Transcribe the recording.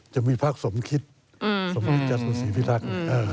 จะมีพักสมคิดสมคิตจตุศรีพิทักษ์